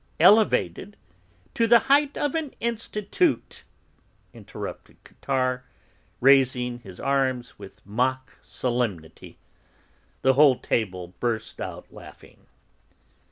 "Elevated... to the height of an Institute!" interrupted Cottard, raising his arms with mock solemnity. The whole table burst out laughing.